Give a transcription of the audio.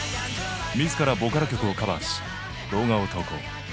自らボカロ曲をカバーし動画を投稿。